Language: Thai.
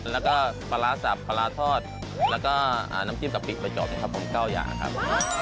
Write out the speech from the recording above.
แล้วก็ปลาร้าสับปลาร้าทอดแล้วก็น้ำจิ้มกะปิไปจบนะครับผม๙อย่างครับ